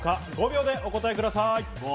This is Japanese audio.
５秒でお答えください。